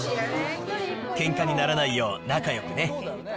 けんかにならないよう、仲よくね。